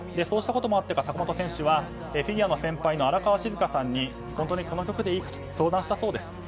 そうしたこともあってか坂本選手は、フィギュアの先輩の荒川静香さんに本当にこの曲でいいかと相談したそうです。